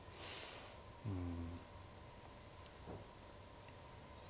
うん。